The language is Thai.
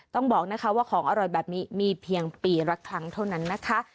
ต้องบอกนะคะว่าของอร่อยแบบนี้มีเพียงปีละครั้งเท่านั้นนะคะ